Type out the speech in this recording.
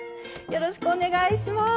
よろしくお願いします。